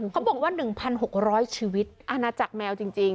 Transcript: เขาบอกว่า๑๖๐๐ชีวิตอาณาจักรแมวจริง